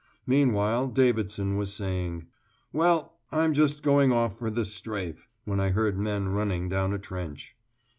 Meanwhile Davidson was saying, "Well, I'm just going off for this strafe," when I heard men running down a trench.